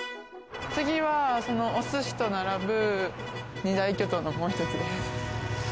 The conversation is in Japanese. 次はお寿司と並ぶ二大巨頭のもう一つです。